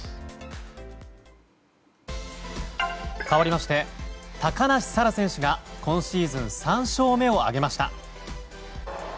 かわりまして高梨沙羅選手が今シーズン３勝目を挙げました。